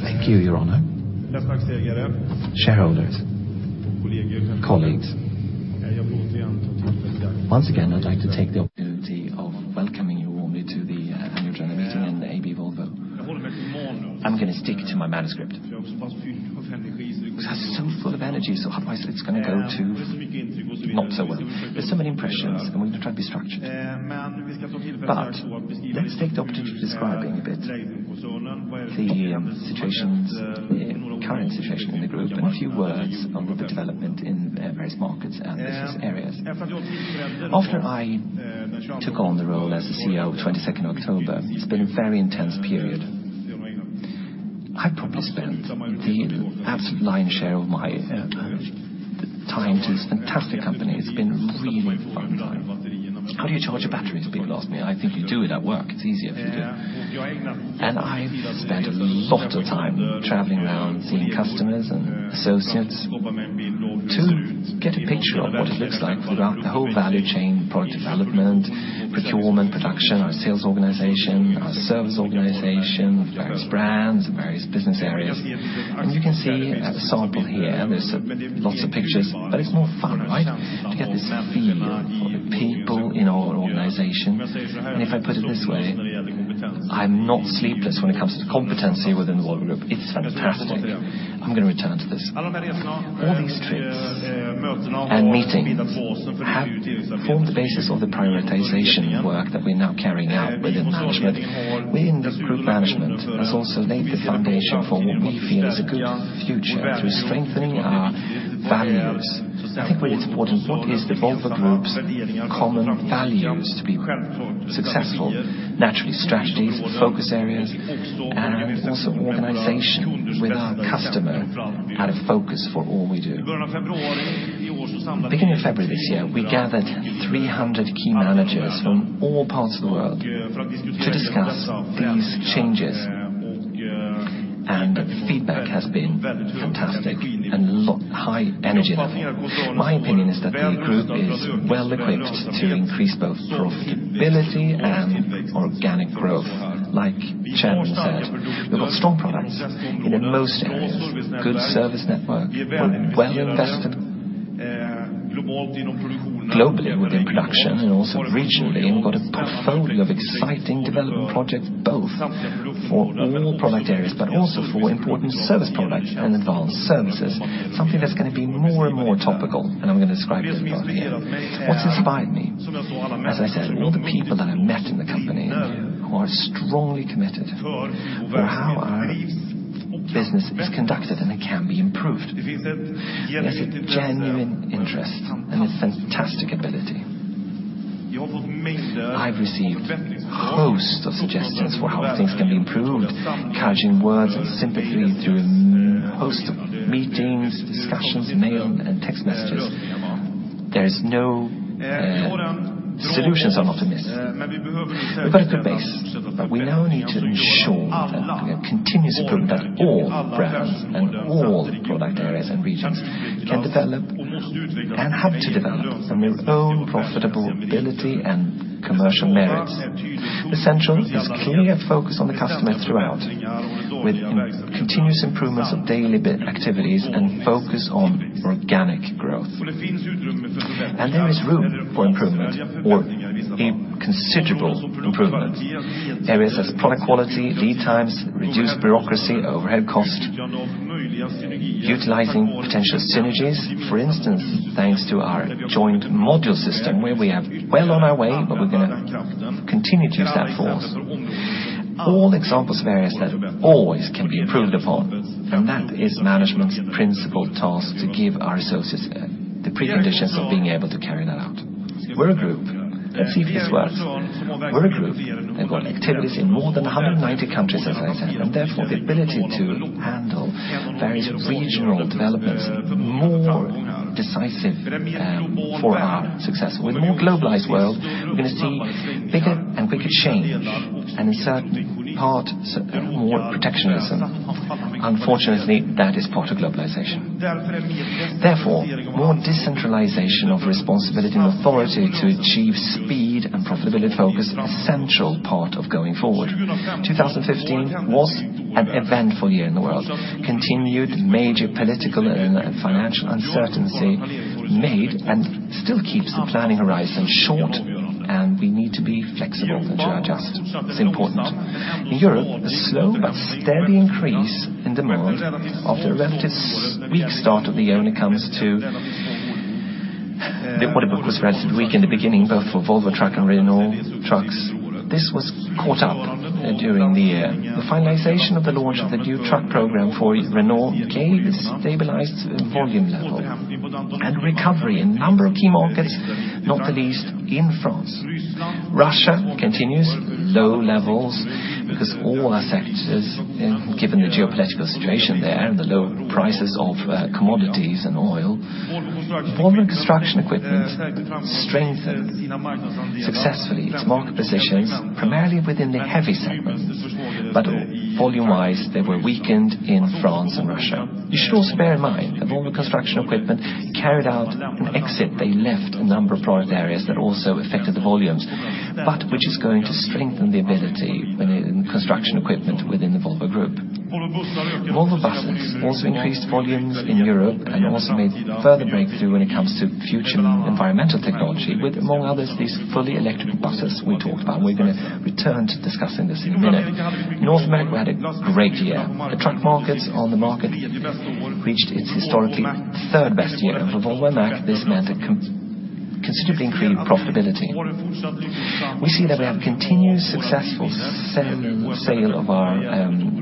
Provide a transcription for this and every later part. Thank you, Unger. Shareholders. Colleagues. Once again, I'd like to take the opportunity of welcoming you warmly to the annual general meeting in AB Volvo. I'm going to stick to my manuscript because I was so full of energy, otherwise it's going to go not so well. There's so many impressions, we need to try to be structured. Let's take the opportunity to describe a bit the current situation in the group and a few words on the development in various markets and business areas. After I took on the role as the CEO of 22nd October, it's been a very intense period. I probably spent the absolute lion's share of my time to this fantastic company. It's been really fun. How do you charge a battery has people asked me. I think you do it at work. It's easier if you do. I've spent a lot of time traveling around seeing customers and associates to get a picture of what it looks like throughout the whole value chain, product development, procurement, production, our sales organization, our service organization, various brands and various business areas. You can see a sample here. There's lots of pictures, it's more fun, right? To get this feel of the people in our organization. If I put it this way, I'm not sleepless when it comes to competency within the Volvo Group. It's fantastic. I'm going to return to this. All these trips and meetings have formed the basis of the prioritization work that we're now carrying out within management. Within this Group Management has also laid the foundation for what we feel is a good future through strengthening our values. I think what is important, what is the Volvo Group's common values to be successful? Naturally, strategies, focus areas, and also organization with our customer at a focus for all we do. Beginning February this year, we gathered 300 key managers from all parts of the world to discuss these changes, feedback has been fantastic and high energy level. My opinion is that the group is well equipped to increase both profitability and organic growth. Like Chairman said, we've got strong products in most areas, good service network. We're well invested globally within production and also regionally and got a portfolio of exciting development projects both for all product areas but also for important service products and advanced services. Something that's going to be more and more topical, I'm going to describe this part here. What's inspired me, as I said, all the people that I've met in the company who are strongly committed for how our business is conducted and it can be improved. There's a genuine interest and a fantastic ability. I've received hosts of suggestions for how things can be improved, encouraging words and sympathy through hosts of meetings, discussions, mail, and text messages. Solutions are not amiss. We've got a good base, we now need to ensure that we have continuous improvement at all brands and all product areas and regions can develop and have to develop from their own profitable ability and commercial merits. Essential is clearly a focus on the customer throughout with continuous improvements of daily activities and focus on organic growth. There is room for improvement or a considerable improvement. Areas as product quality, lead times, reduced bureaucracy, overhead cost, utilizing potential synergies. For instance, thanks to our joint module system where we have well on our way, but we're going to continue to use that force. All examples of areas that always can be improved upon, and that is management's principal task to give our associates the preconditions of being able to carry that out. We're a group. Let's see if this works. We're a group that got activities in more than 190 countries, as I said, and therefore, the ability to handle various regional developments more decisive for our success. With more globalized world, we're going to see bigger and quicker change and in certain parts, more protectionism. Unfortunately, that is part of globalization. Therefore, more decentralization of responsibility and authority to achieve speed and profitability focus, essential part of going forward. 2015 was an eventful year in the world. Continued major political and financial uncertainty made and still keeps the planning horizon short, and we need to be flexible and to adjust. It's important. In Europe, a slow but steady increase in demand after a relatively weak start of the year when it comes to the order book was relatively weak in the beginning, both for Volvo Trucks and Renault Trucks. This was caught up during the year. The finalization of the launch of the new truck program for Renault Trucks gave a stabilized volume level and recovery in number of key markets, not the least in France. Russia continues low levels because all are affected, given the geopolitical situation there and the low prices of commodities and oil. Volvo Construction Equipment strengthened successfully its market positions, primarily within the heavy segment, but volume-wise, they were weakened in France and Russia. You should also bear in mind that Volvo Construction Equipment carried out an exit. They left a number of product areas that also affected the volumes, but which is going to strengthen the ability within construction equipment within the Volvo Group. Volvo Buses also increased volumes in Europe and also made further breakthrough when it comes to future environmental technology with, among others, these fully electric buses we talked about. We're going to return to discussing this in a minute. North America had a great year. The truck markets on the market reached its historically third best year. For Volvo Mack, this meant a considerably increased profitability. We see that we have continued successful sale of our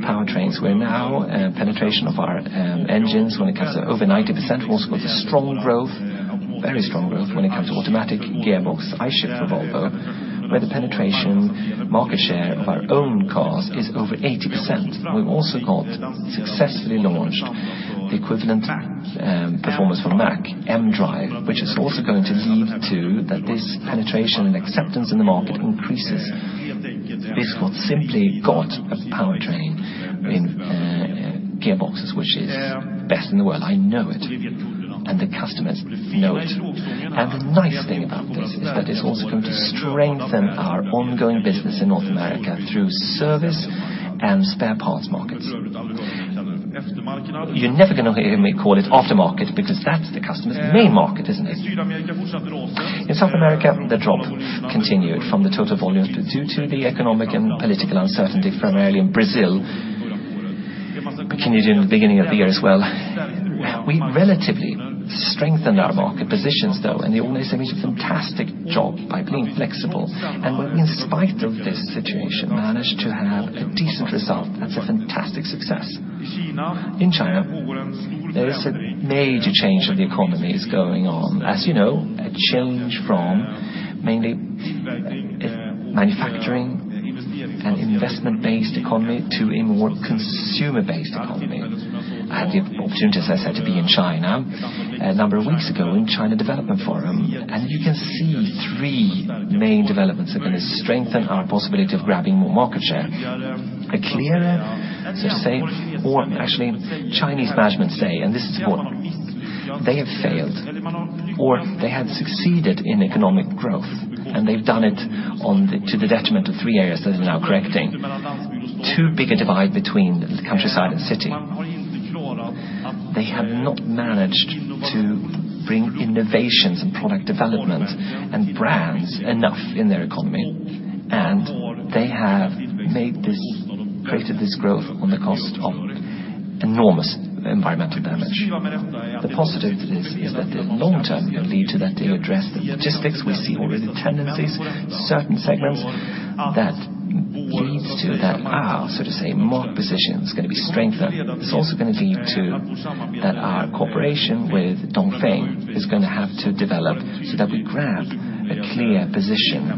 powertrains. We have now penetration of our engines when it comes to over 90%. Also got a strong growth, very strong growth when it comes to automatic gearbox, I-Shift for Volvo Trucks, where the penetration market share of our own cars is over 80%. We've also got successfully launched the equivalent performance for Mack Trucks, mDRIVE, which is also going to lead to that this penetration and acceptance in the market increases. This simply got a powertrain in gearboxes, which is best in the world. I know it, and the customers know it. The nice thing about this is that it's also going to strengthen our ongoing business in North America through service and spare parts markets. You're never going to hear me call it aftermarket, because that's the customer's main market, isn't it? In South America, the drop continued from the total volume due to the economic and political uncertainty, primarily in Brazil. Continued in the beginning of the year as well. We relatively strengthened our market positions, though, they all made a fantastic job by being flexible. We, in spite of this situation, managed to have a decent result. That's a fantastic success. In China, there is a major change of the economy going on. As you know, a change from mainly manufacturing an investment-based economy to a more consumer-based economy. I had the opportunity, as I said, to be in China a number of weeks ago in China Development Forum. You can see three main developments are going to strengthen our possibility of grabbing more market share. I clearly so say, or actually, Chinese management say, and this is what they have failed, or they have succeeded in economic growth, and they've done it to the detriment of three areas that they're now correcting, too big a divide between the countryside and city. They have not managed to bring innovations in product development and brands enough in their economy, and they have created this growth on the cost of enormous environmental damage. The positive is that in the long term, it will lead to that they address the logistics. We see already tendencies in certain segments that leads to that our, so to say, market position is going to be strengthened. It's also going to lead to that our cooperation with Dongfeng is going to have to develop so that we grab a clear position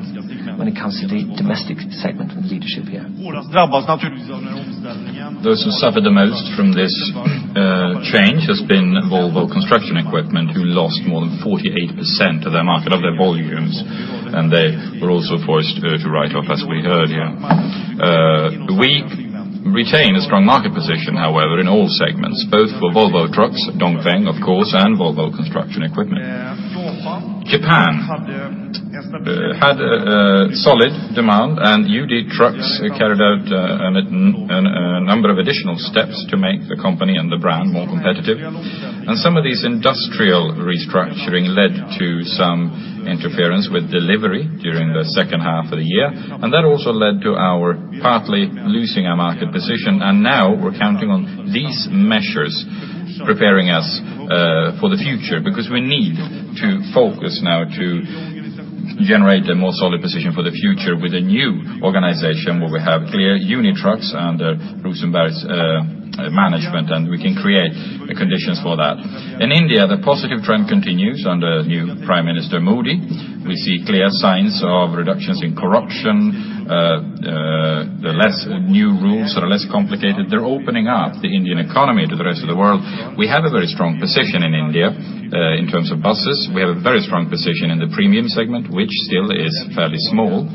when it comes to the domestic segment and leadership here. Those who suffered the most from this change has been Volvo Construction Equipment, who lost more than 48% of their market, of their volumes, and they were also forced to write off, as we heard here. We retain a strong market position, however, in all segments, both for Volvo Trucks, Dongfeng, of course, and Volvo Construction Equipment. Japan had a solid demand. UD Trucks carried out a number of additional steps to make the company and the brand more competitive. Some of these industrial restructuring led to some interference with delivery during the second half of the year, and that also led to our partly losing our market position. Now we're counting on these measures preparing us for the future because we need to focus now to generate a more solid position for the future with a new organization where we have clear UD Trucks under Rosenberg's management, and we can create the conditions for that. In India, the positive trend continues under new Prime Minister Modi. We see clear signs of reductions in corruption. The less new rules are less complicated. They're opening up the Indian economy to the rest of the world. We have a very strong position in India in terms of buses. We have a very strong position in the premium segment, which still is fairly small,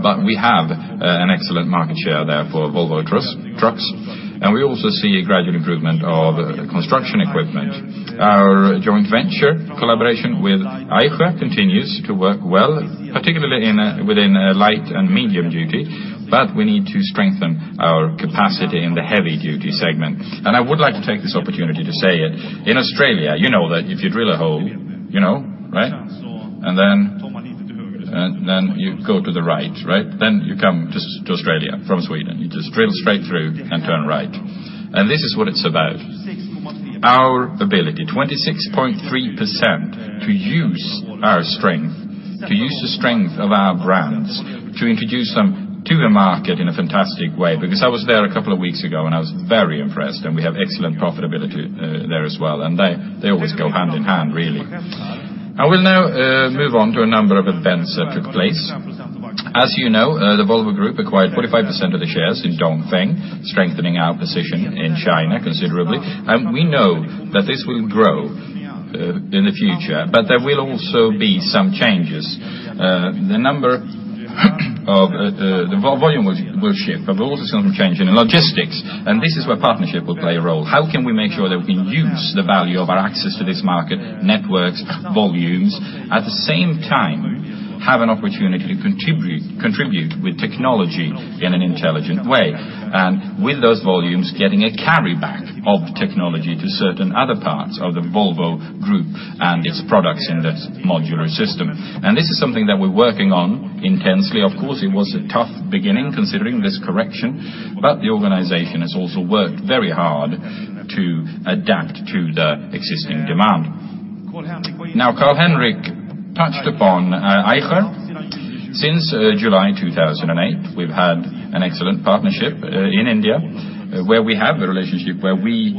but we have an excellent market share there for Volvo Trucks, and we also see a gradual improvement of construction equipment. Our joint venture collaboration with Eicher continues to work well, particularly within a light and medium duty, but we need to strengthen our capacity in the heavy duty segment. I would like to take this opportunity to say it. In Australia, you know that if you drill a hole, you know, right? Then you go to the right? You come to Australia from Sweden. You just drill straight through and turn right. This is what it's about. Our ability, 26.3%, to use our strength, to use the strength of our brands to introduce them to the market in a fantastic way because I was there a couple of weeks ago, and I was very impressed, and we have excellent profitability there as well, and they always go hand in hand, really. I will now move on to a number of events that took place. As you know, the Volvo Group acquired 45% of the shares in Dongfeng, strengthening our position in China considerably. We know that this will grow in the future, but there will also be some changes. The volume will shift, but we're also going to change in logistics, and this is where partnership will play a role. How can we make sure that we use the value of our access to this market, networks, volumes, at the same time, have an opportunity to contribute with technology in an intelligent way? With those volumes, getting a carry back of technology to certain other parts of the Volvo Group and its products in the modular system. This is something that we're working on intensely. Of course, it was a tough beginning considering this correction, but the organization has also worked very hard to adapt to the existing demand. Now, Carl-Henric touched upon Eicher Since July 2008, we've had an excellent partnership in India, where we have a relationship where we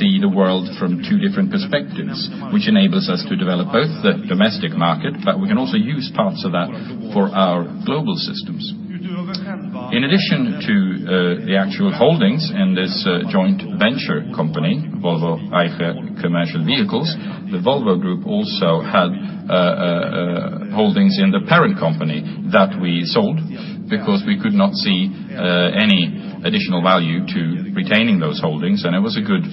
see the world from two different perspectives, which enables us to develop both the domestic market, but we can also use parts of that for our global systems. In addition to the actual holdings in this joint venture company, Volvo Eicher Commercial Vehicles, the Volvo Group also had holdings in the parent company that we sold because we could not see any additional value to retaining those holdings, and it was a good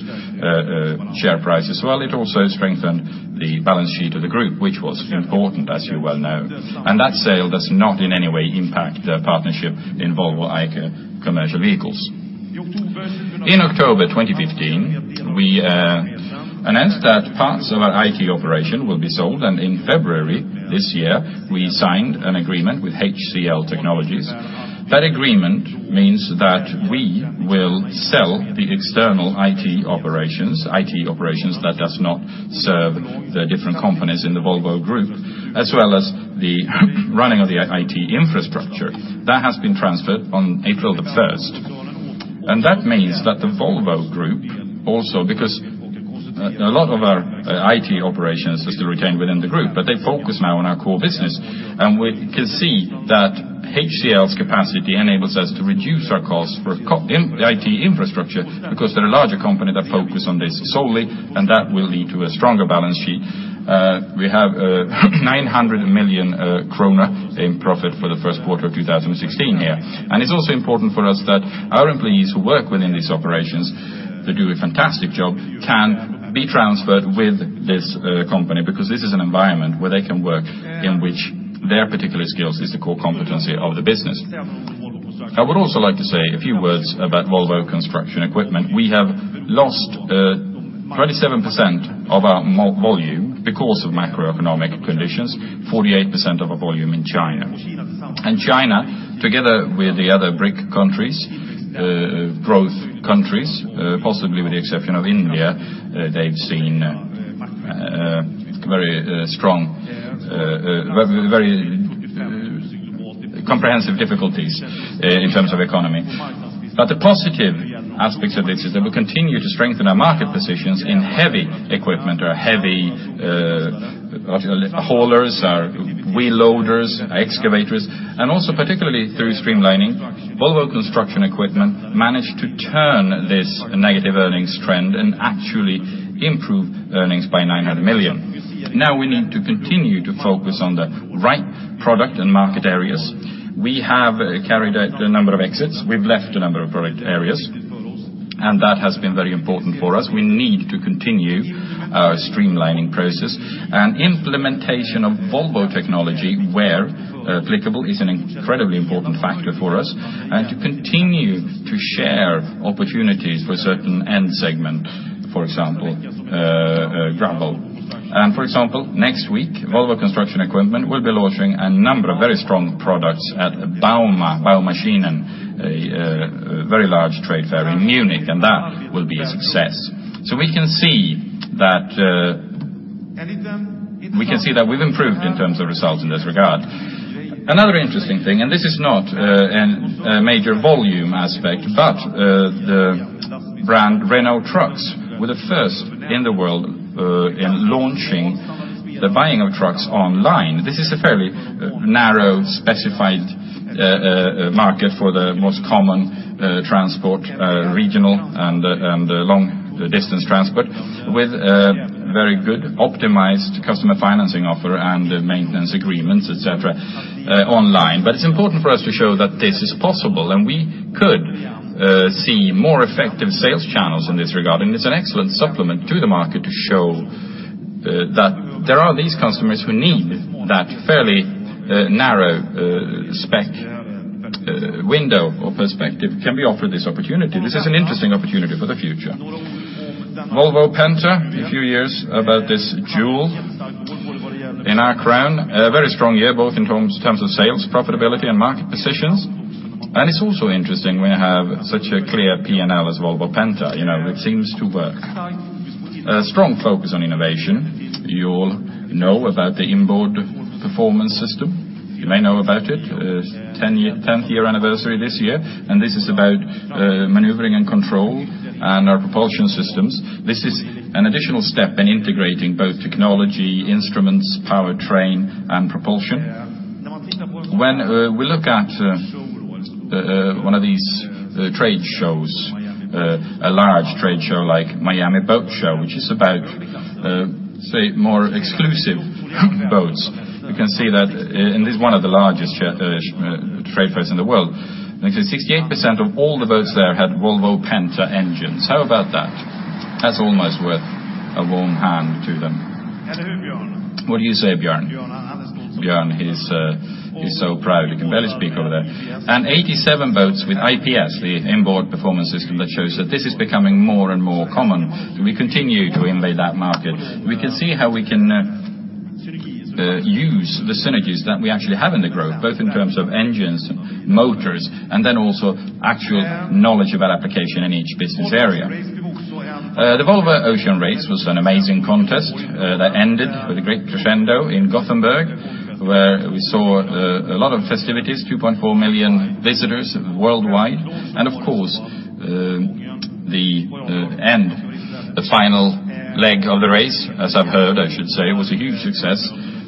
share price as well. It also strengthened the balance sheet of the group, which was important, as you well know. That sale does not in any way impact the partnership in Volvo Eicher Commercial Vehicles. In October 2015, we announced that parts of our IT operation will be sold, and in February this year, we signed an agreement with HCL Technologies. That agreement means that we will sell the external IT operations, IT operations that does not serve the different companies in the Volvo Group, as well as the running of the IT infrastructure. That has been transferred on April the 1st. That means that the Volvo Group also, because a lot of our IT operations is still retained within the group, but they focus now on our core business. We can see that HCL's capacity enables us to reduce our cost for the IT infrastructure because they're a larger company that focus on this solely, and that will lead to a stronger balance sheet. We have 900 million kronor in profit for the first quarter of 2016 here. It's also important for us that our employees who work within these operations, they do a fantastic job, can be transferred with this company because this is an environment where they can work in which their particular skills is the core competency of the business. I would also like to say a few words about Volvo Construction Equipment. We have lost 27% of our volume because of macroeconomic conditions, 48% of our volume in China. China, together with the other BRIC countries, growth countries, possibly with the exception of India, they've seen very comprehensive difficulties in terms of economy. The positive aspects of this is that we continue to strengthen our market positions in heavy equipment or heavy haulers, wheel loaders, excavators, and also particularly through streamlining, Volvo Construction Equipment managed to turn this negative earnings trend and actually improve earnings by 900 million. Now we need to continue to focus on the right product and market areas. We have carried out a number of exits. We've left a number of product areas, and that has been very important for us. We need to continue our streamlining process, and implementation of Volvo technology, where applicable, is an incredibly important factor for us, and to continue to share opportunities for certain end segment, for example, grapple. For example, next week, Volvo Construction Equipment will be launching a number of very strong products at bauma, Baumaschinen, a very large trade fair in Munich, and that will be a success. We can see that we've improved in terms of results in this regard. Another interesting thing, and this is not a major volume aspect, but the brand Renault Trucks were the first in the world in launching the buying of trucks online. This is a fairly narrow, specified market for the most common transport, regional and long-distance transport, with a very good optimized customer financing offer and maintenance agreements, et cetera, online. It's important for us to show that this is possible, and we could see more effective sales channels in this regard. It's an excellent supplement to the market to show that there are these customers who need that fairly narrow spec window or perspective can be offered this opportunity. This is an interesting opportunity for the future. Volvo Penta, a few years about this jewel in our crown. A very strong year, both in terms of sales, profitability, and market positions. It's also interesting when you have such a clear P&L as Volvo Penta. It seems to work. A strong focus on innovation. You all know about the Inboard Performance System. You may know about it. 10th year anniversary this year. This is about maneuvering and control and our propulsion systems. This is an additional step in integrating both technology, instruments, powertrain, and propulsion. When we look at one of these trade shows, a large trade show like Miami Boat Show, which is about, say, more exclusive boats, you can see that, and this is one of the largest trade fairs in the world. 68% of all the boats there had Volvo Penta engines. How about that? That's almost worth a warm hand to them. What do you say, Björn? Björn is so proud he can barely speak over there. 87 boats with IPS, the Inboard Performance System that shows that this is becoming more and more common. We continue to invade that market. We can see how we can use the synergies that we actually have in the group, both in terms of engines, motors, and then also actual knowledge about application in each business area. The Volvo Ocean Race was an amazing contest that ended with a great crescendo in Gothenburg, where we saw a lot of festivities, 2.4 million visitors worldwide. Of course, the end, the final leg of the race, as I've heard, I should say, was a huge success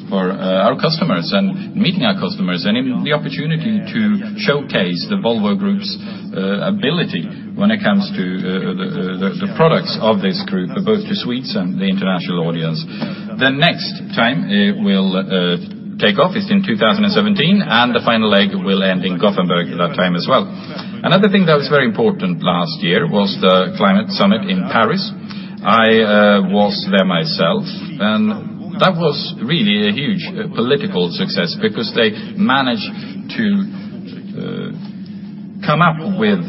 for our customers and meeting our customers, and the opportunity to showcase the Volvo Group's ability when it comes to the products of this group, both to Swedes and the international audience. The next time it will take off is in 2017, and the final leg will end in Gothenburg that time as well. Another thing that was very important last year was the climate summit in Paris. I was there myself, that was really a huge political success because they managed to come up with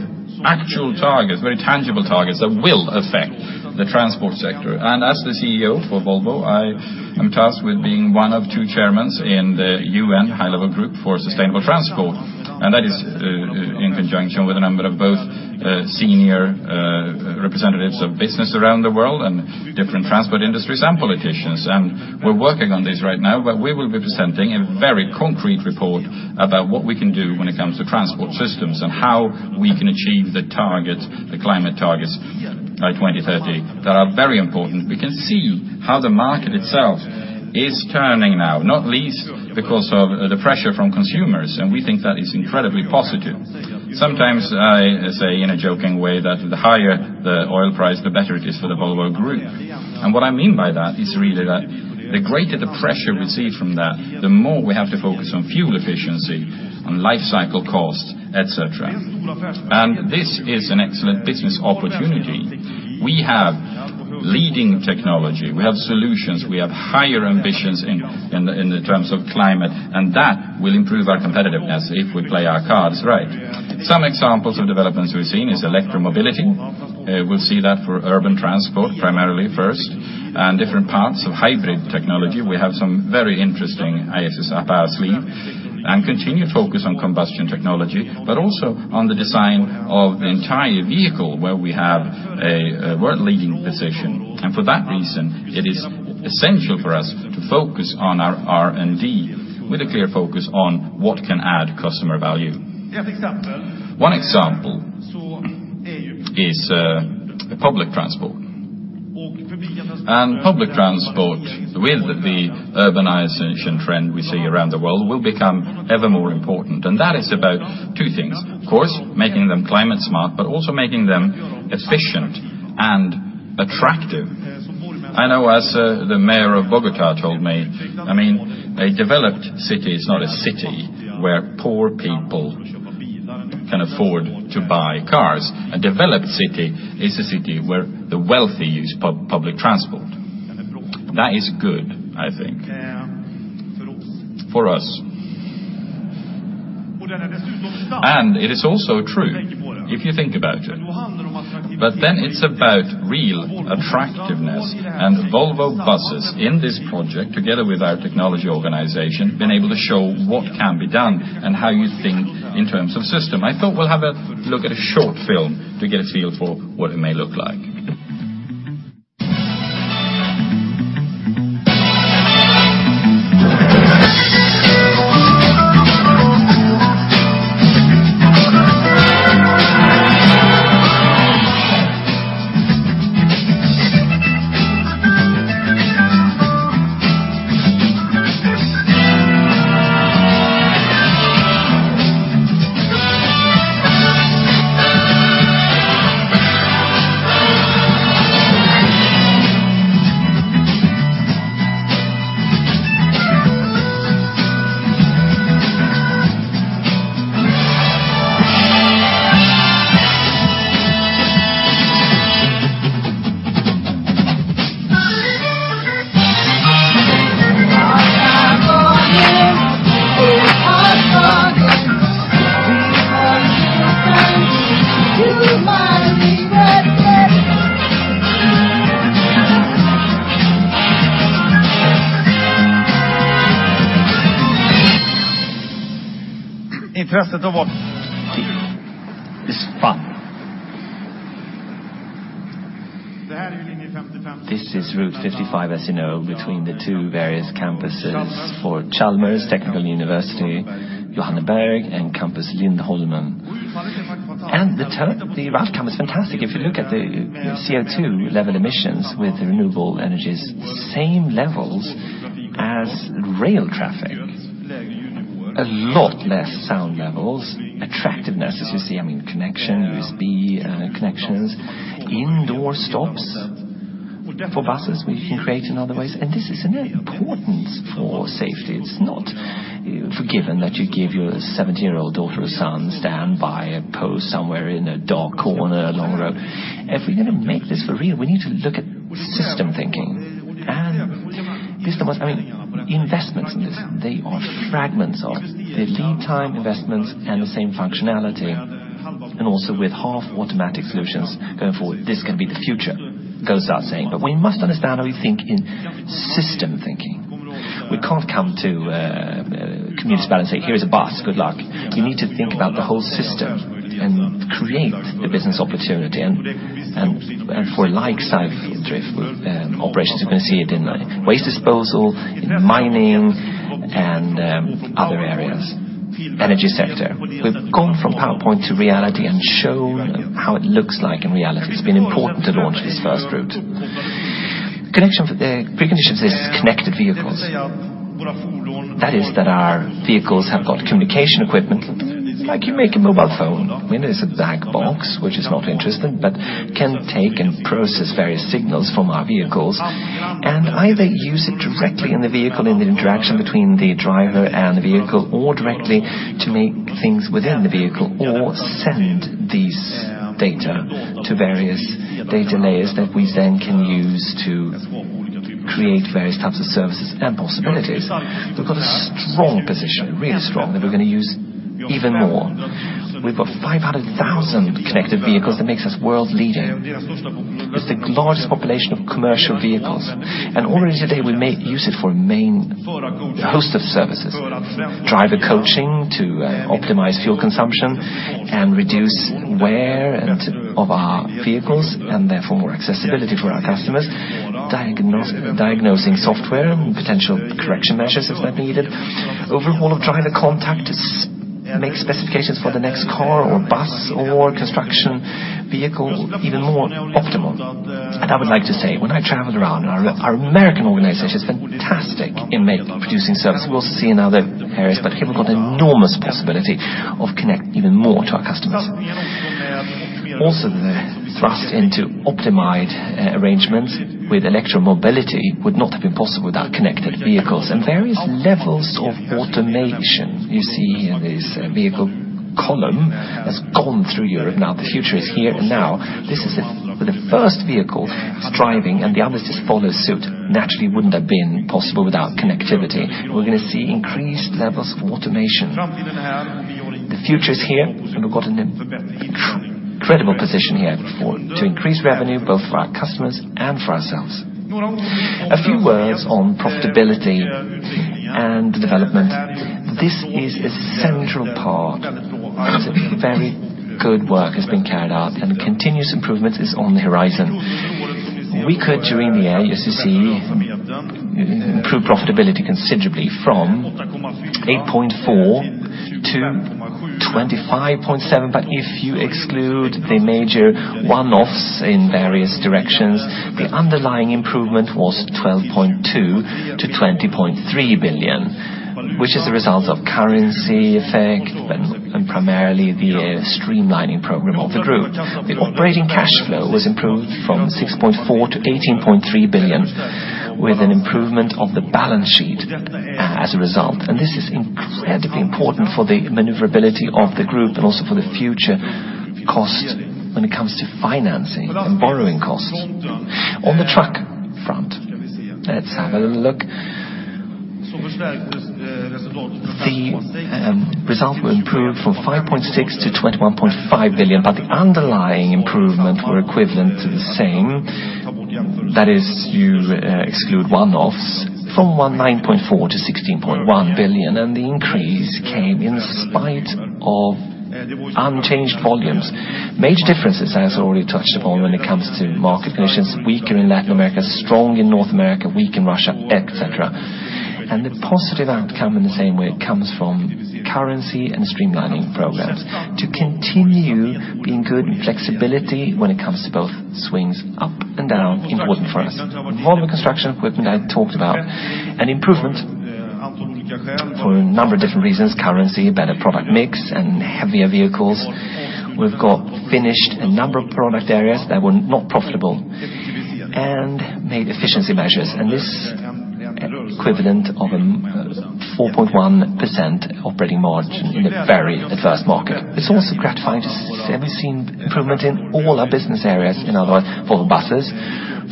actual targets, very tangible targets that will affect the transport sector. As the CEO for Volvo, I am tasked with being one of two chairmen in the UN high-level group for sustainable transport. That is in conjunction with a number of both senior representatives of business around the world and different transport industries and politicians. We're working on this right now, where we will be presenting a very concrete report about what we can do when it comes to transport systems and how we can achieve the climate targets by 2030 that are very important. We can see how the market itself is turning now, not least because of the pressure from consumers, and we think that is incredibly positive. Sometimes I say in a joking way that the higher the oil price, the better it is for the Volvo Group. What I mean by that is really that the greater the pressure we see from that, the more we have to focus on fuel efficiency, on life cycle cost, et cetera. This is an excellent business opportunity. We have leading technology. We have solutions. We have higher ambitions in terms of climate, and that will improve our competitiveness if we play our cards right. Some examples of developments we've seen is electro-mobility. We'll see that for urban transport, primarily first, and different parts of hybrid technology. We have some very interesting ideas up our sleeve and continue to focus on combustion technology, but also on the design of the entire vehicle, where we have a world-leading position. For that reason, it is essential for us to focus on our R&D with a clear focus on what can add customer value. One example is public transport. Public transport with the urbanization trend we see around the world will become ever more important. That is about two things, of course, making them climate smart, but also making them efficient and attractive. I know as the mayor of Bogotá told me, a developed city is not a city where poor people can afford to buy cars. A developed city is a city where the wealthy use public transport. That is good, I think, for us. It is also true if you think about it. It's about real attractiveness and Volvo Buses in this project, together with our technology organization, been able to show what can be done and how you think in terms of system. I thought we'll have a look at a short film to get a feel for what it may look like. This is Route 55, as you know, between the two various campuses for Chalmers University of Technology, Johanneberg and Campus Lindholmen. The outcome is fantastic. If you look at the CO2 level emissions with renewable energies, same levels as rail traffic. A lot less sound levels, attractiveness, as you see, connection, USB connections, indoor stops for buses, we can create in other ways. This is an importance for safety. It's not given that you give your 17-year-old daughter or son stand by a post somewhere in a dark corner along a road. If we're going to make this for real, we need to look at system thinking. Investments in this, they are fragments of the lead time investments and the same functionality, and also with half automatic solutions going forward. This can be the future. Goes without saying, we must understand how we think in system thinking. We can't come to a community and say, "Here's a bus, good luck." We need to think about the whole system and create the business opportunity. For likes of drift operations, we're going to see it in waste disposal, in mining, and other areas, energy sector. We've gone from PowerPoint to reality and shown how it looks like in reality. It's been important to launch this first route. Preconditions is connected vehicles. That is that our vehicles have got communication equipment. Like you make a mobile phone, where there's a black box, which is not interesting, but can take and process various signals from our vehicles, and either use it directly in the vehicle in the interaction between the driver and the vehicle, or directly to make things within the vehicle, or send these data to various data layers that we then can use to create various types of services and possibilities. We've got a strong position, really strong, that we're going to use even more. We've got 500,000 connected vehicles that makes us world-leading. It's the largest population of commercial vehicles. Already today, we may use it for a main host of services, driver coaching to optimize fuel consumption and reduce wear of our vehicles, and therefore more accessibility for our customers, diagnosing software and potential correction measures if they're needed. Overall driver contact make specifications for the next car or bus or construction vehicle even more optimal. I would like to say, when I traveled around our American organization is fantastic in producing service. We'll see in other areas, here we've got enormous possibility of connecting even more to our customers. The thrust into optimized arrangements with electro-mobility would not have been possible without connected vehicles and various levels of automation. You see in this vehicle column that's gone through Europe. The future is here and now. This is it. Where the first vehicle is driving and the others just follow suit. Naturally wouldn't have been possible without connectivity. We're going to see increased levels of automation. The future is here, and we've got an incredible position here to increase revenue both for our customers and for ourselves. A few words on profitability and development. This is a central part. Very good work has been carried out and continuous improvement is on the horizon. We could during the year, as you see, improve profitability considerably from 8.4 billion to 25.7 billion, if you exclude the major one-offs in various directions, the underlying improvement was 12.2 billion to 20.3 billion, which is a result of currency effect and primarily the streamlining program of the group. The operating cash flow was improved from 6.4 billion to 18.3 billion, with an improvement of the balance sheet as a result. This is incredibly important for the maneuverability of the group and also for the future cost when it comes to financing and borrowing costs. On the truck front, let's have a little look. The result will improve from 5.6 billion to 21.5 billion, the underlying improvement were equivalent to the same. That is, you exclude one-offs from 9.4 billion to 16.1 billion, the increase came in spite of unchanged volumes. Major differences as already touched upon when it comes to market conditions, weaker in Latin America, strong in North America, weak in Russia, et cetera. The positive outcome in the same way comes from currency and streamlining programs to continue being good and flexibility when it comes to both swings up and down, important for us. Volvo Construction Equipment I talked about. An improvement for a number of different reasons, currency, better product mix, and heavier vehicles. We've got finished a number of product areas that were not profitable and made efficiency measures. This equivalent of a 4.1% operating margin in a very adverse market. It's also gratifying to have seen improvement in all our business areas. In other words, Volvo Buses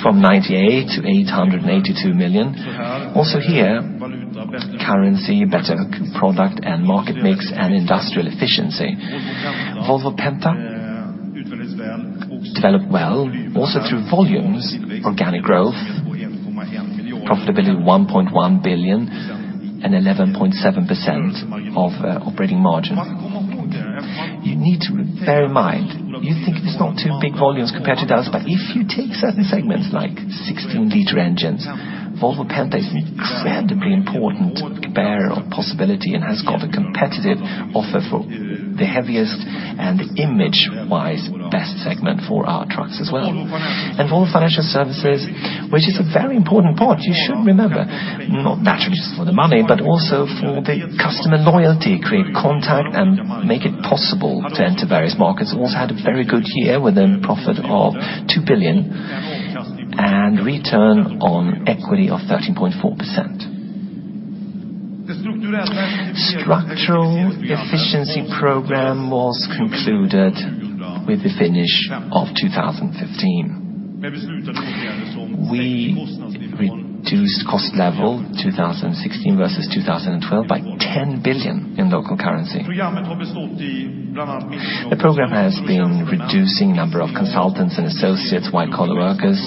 from 98 million to 882 million. Here, currency, better product and market mix, and industrial efficiency. Volvo Penta developed well, also through volumes, organic growth, profitability 1.1 billion and 11.7% of operating margin. You need to bear in mind, you think it's not too big volumes compared to others, if you take certain segments like 16 liter engines, Volvo Penta is incredibly important bearer of possibility and has got a competitive offer for the heaviest and image-wise best segment for our trucks as well. Volvo Financial Services, which is a very important part you should remember, not naturally just for the money, but also for the customer loyalty, create contact and make it possible to enter various markets, also had a very good year with a profit of 2 billion and return on equity of 13.4%. Structural efficiency program was concluded with the finish of 2015. We reduced cost level 2016 versus 2012 by 10 billion in local currency. The program has been reducing number of consultants and associates, white collar workers,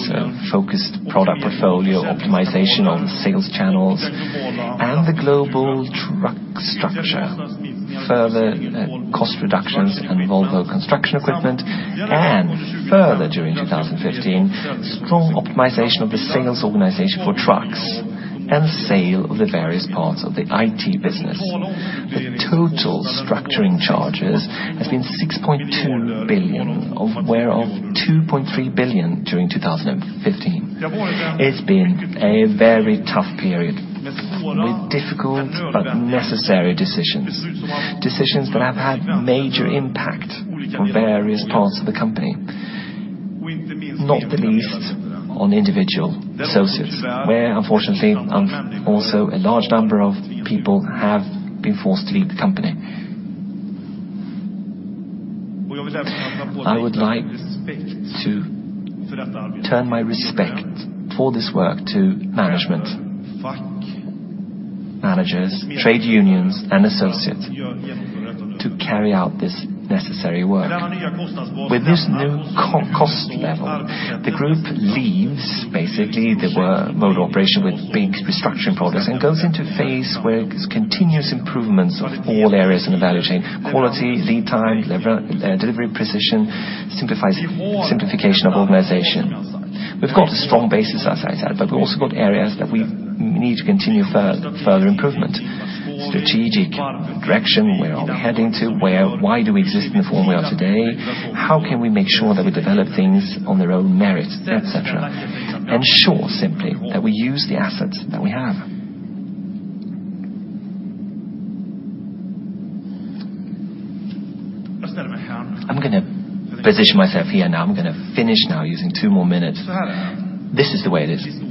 focused product portfolio optimization on sales channels, and the global truck structure. Further cost reductions in Volvo Construction Equipment, and further during 2015, strong optimization of the sales organization for trucks, and sale of the various parts of the IT business. The total structuring charges has been 6.2 billion, whereof 2.3 billion during 2015. It's been a very tough period with difficult but necessary decisions that have had major impact on various parts of the company, not the least on individual associates, where unfortunately also a large number of people have been forced to leave the company. I would like to turn my respect for this work to management, managers, trade unions, and associates to carry out this necessary work. With this new cost level, the group leaves basically the mode operation with big restructuring process and goes into a phase where there's continuous improvements of all areas in the value chain, quality, lead time, delivery precision, simplification of organization. We've got a strong basis, as I said, but we've also got areas that we need to continue further improvement, strategic direction, where are we heading to? Why do we exist in the form we are today? How can we make sure that we develop things on their own merit, et cetera? Ensure simply that we use the assets that we have. I'm going to position myself here now. I'm going to finish now using two more minutes. This is the way it is.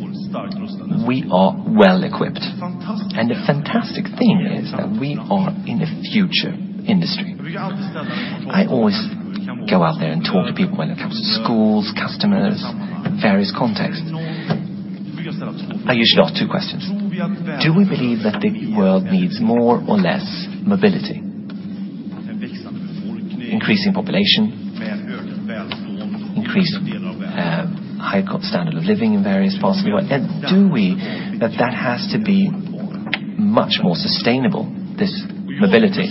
We are well-equipped, and the fantastic thing is that we are in a future industry. I always go out there and talk to people when it comes to schools, customers, various contexts. I usually ask two questions. Do we believe that the world needs more or less mobility? Increasing population, increased high standard of living in various parts of the world. Do we that that has to be much more sustainable, this mobility?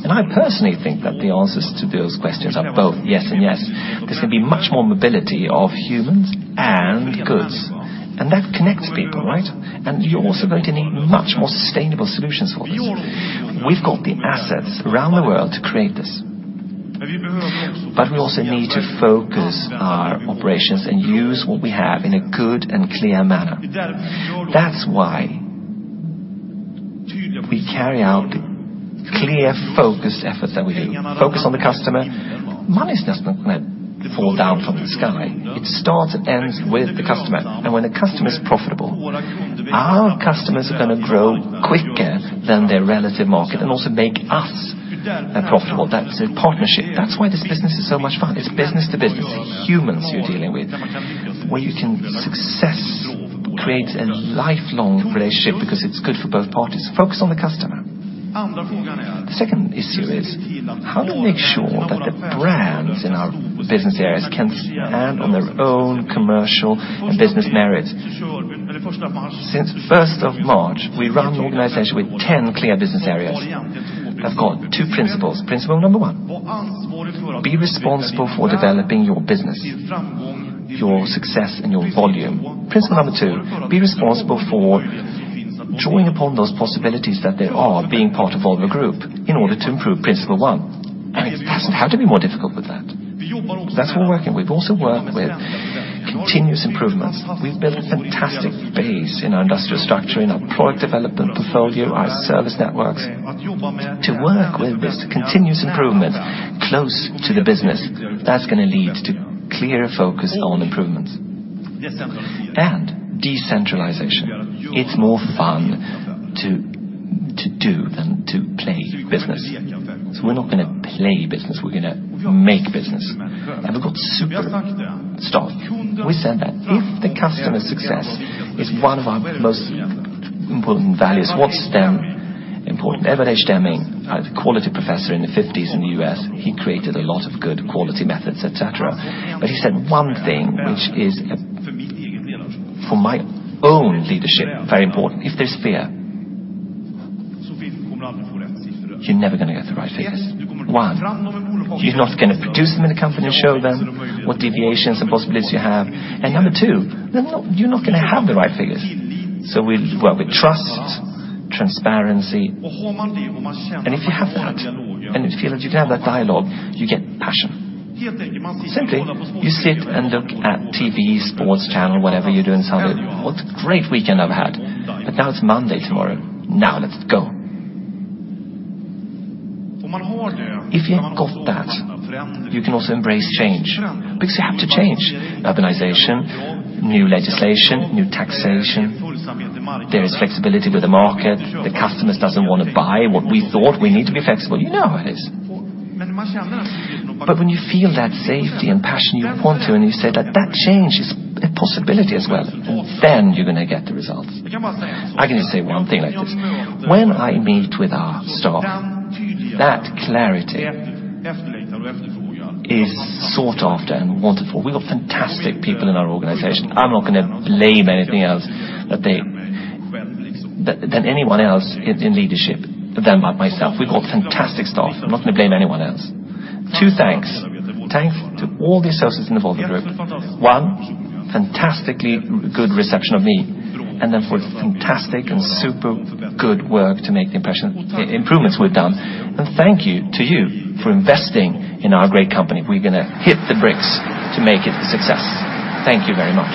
I personally think that the answers to those questions are both yes and yes. There's going to be much more mobility of humans and goods, and that connects people, right? You're also going to need much more sustainable solutions for this. We've got the assets around the world to create this. We also need to focus our operations and use what we have in a good and clear manner. That's why we carry out clear, focused efforts that we do. Focus on the customer. Money doesn't fall down from the sky. It starts and ends with the customer. When the customer is profitable, our customers are going to grow quicker than their relative market and also make us profitable. That's a partnership. That's why this business is so much fun. It's business to business. It's humans you're dealing with, where you can success create a lifelong relationship because it's good for both parties. Focus on the customer. The second issue is, how do we make sure that the brands in our business areas can stand on their own commercial and business merit? Since 1st of March, we run an organization with 10 clear business areas. I've got two principles. Principle number one, be responsible for developing your business, your success and your volume. Principle number two, be responsible for drawing upon those possibilities that there are being part of Volvo Group in order to improve principle one. It doesn't have to be more difficult with that. That's what we're working with. Also work with continuous improvements. We've built a fantastic base in our industrial structure, in our product development portfolio, our service networks. To work with this continuous improvement close to the business, that's going to lead to clearer focus on improvements. Decentralization. It's more fun to do than to play business. We're not going to play business, we're going to make business. We've got super staff. We said that if the customer success is one of our most important values, what's then important? Edward Deming, a quality professor in the 1950s in the U.S., he created a lot of good quality methods, et cetera. He said one thing which is, for my own leadership, very important. If there's fear, you're never going to get the right figures. One, you're not going to produce them in the company, show them what deviations and possibilities you have. Number two, you're not going to have the right figures. We work with trust, transparency. If you have that and you feel that you can have that dialogue, you get passion. Simply, you sit and look at TV, sports channel, whatever you do on Sunday, "What a great weekend I've had." Now it's Monday tomorrow. Now let's go. If you've got that, you can also embrace change, because you have to change. Urbanization, new legislation, new taxation. There is flexibility with the market. The customers doesn't want to buy what we thought. We need to be flexible. You know how it is. When you feel that safety and passion you want to, and you say that that change is a possibility as well, then you're going to get the results. I can just say one thing like this. When I meet with our staff, that clarity is sought after and wanted for. We got fantastic people in our organization. I'm not going to blame anything else than anyone else in leadership than myself. We've got fantastic staff. I'm not going to blame anyone else. Two thanks. Thanks to all the associates in the Volvo Group. One, fantastically good reception of me, and then for fantastic and super good work to make the improvements we've done. Thank you to you for investing in our great company. We're going to hit the bricks to make it a success. Thank you very much.